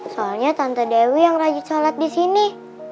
soalnya tante dewi yang rajin sholat di sini